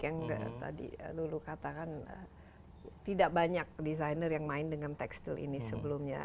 yang tadi lulu katakan tidak banyak desainer yang main dengan tekstil ini sebelumnya